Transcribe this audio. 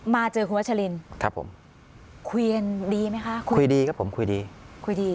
มาเจอคุณวัชลินครับผมคุยดีไหมคะคุยดีครับผมคุยดี